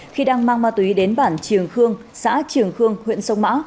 khi đang mang ma túy đến bản trường khương xã trường khương huyện sông mã